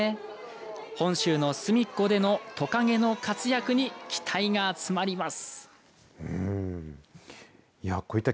本州のすみっこでのとかげの活躍に期待が集まります。